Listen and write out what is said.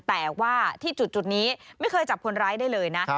แต่ว่าที่จุดนี้ไม่เคยจับคนร้ายได้เลยนะ